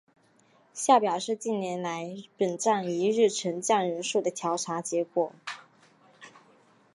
下表是近年来本站一日乘降人数的调查结果。